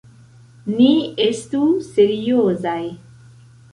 Ni estu seriozaj!